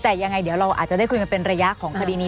แต่ยังไงเดี๋ยวเราอาจจะได้คุยกันเป็นระยะของคดีนี้